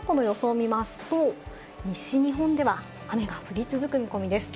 この後の予想を見ますと、西日本では雨が降り続く見込みです。